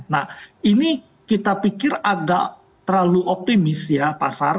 nah ini kita pikir agak terlalu optimis ya pasar